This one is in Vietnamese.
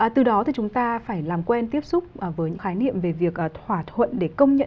từ đó thì chúng ta phải làm quen tiếp xúc với những khái niệm về việc thỏa thuận để công nhận